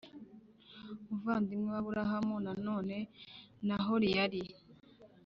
umuvandimwe wa Aburahamu Nanone Nahori yari